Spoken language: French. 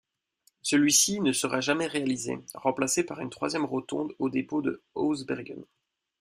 Celui-ci ne sera jamais réalisé, remplacé par une troisième rotonde au dépôt de Hausbergen.